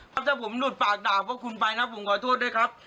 ถ้าผมหลุดปากดาบพวกคุณไปนะผมขอโทษด้วยครับ